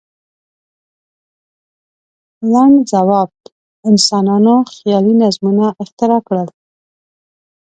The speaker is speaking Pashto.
لنډ ځواب: انسانانو خیالي نظمونه اختراع کړل.